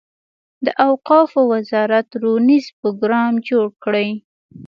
د اوقافو وزارت روزنیز پروګرام جوړ کړي.